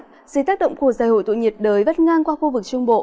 dưới tác động của giải hội tụ nhiệt đới bắt ngang qua khu vực trung bộ